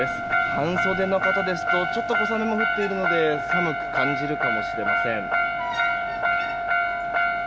半袖の方ですとちょっと小雨も降っているので寒く感じるかもしれません。